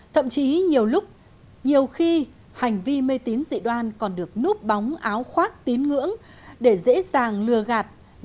thậm chí nhiều lúc nhiều khi hành vi mê tín dị đoan còn được núp bóng áo khoác tín ngưỡng để dễ dàng lừa gạt